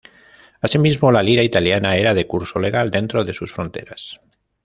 Asimismo, la lira italiana era de curso legal dentro de sus fronteras.